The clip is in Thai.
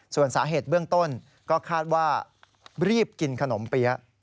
ส่วนสาเหตุเบื้องต้นก็คาดว่ารีบกินขนมเปี๊ยะ